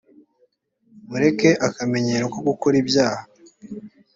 mureke akamenyero ko gukora ibyaha